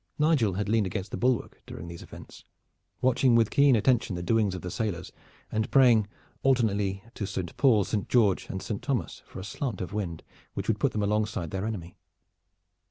Nigel had leaned against the bulwark during these events, watching with keen attention the doings of the sailors, and praying alternately to Saint Paul, Saint George, and Saint Thomas for a slant of wind which would put them along side their enemy.